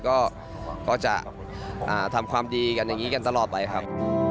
ก็จะทำความดีกันอย่างนี้กันตลอดไปครับ